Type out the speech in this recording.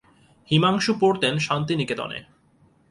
হিমাংশু পড়তেন শান্তিনিকেতনে।